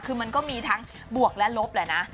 คือมันก็มีทั้งบวกและลบแหละนะ